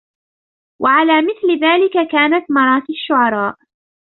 وَعَلَى مِثْلِ ذَلِكَ كَانَتْ مَرَاثِي الشُّعَرَاءِ